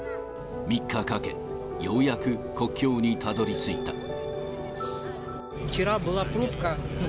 ３日かけ、ようやく国境にたどりついた。